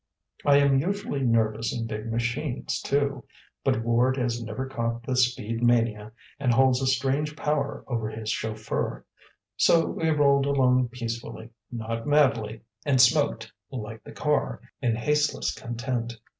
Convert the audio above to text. I am usually nervous in big machines, too; but Ward has never caught the speed mania and holds a strange power over his chauffeur; so we rolled along peacefully, not madly, and smoked (like the car) in hasteless content.